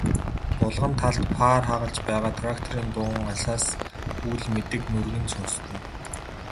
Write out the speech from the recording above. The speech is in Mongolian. Булган талд паар хагалж байгаа тракторын дуун алсаас үл мэдэг нүргэн сонстоно.